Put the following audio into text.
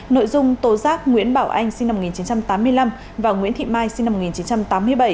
nội dung tố giác nguyễn bảo anh sinh năm một nghìn chín trăm tám mươi năm và nguyễn thị mai sinh năm một nghìn chín trăm tám mươi bảy